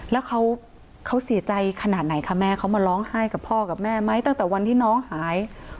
แล้วเขาเสียใจขนาดไหนคะแม่เขามาร้องไห้กับพ่อกับแม่ไหมตั้งแต่วันที่น้องหาย